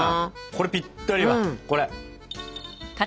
これぴったりだこれ。